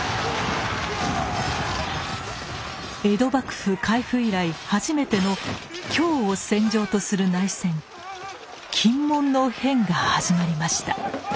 江戸幕府開府以来初めての京を戦場とする内戦禁門の変が始まりました。